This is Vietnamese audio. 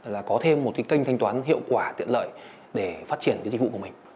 là có thêm một cái kênh thanh toán hiệu quả tiện lợi để phát triển cái dịch vụ của mình